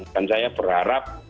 dan saya berharap